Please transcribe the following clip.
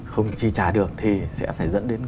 không chi trả được thì sẽ phải dẫn đến